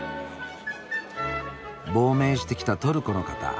亡命してきたトルコの方。